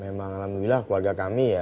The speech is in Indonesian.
memang alhamdulillah keluarga kami ya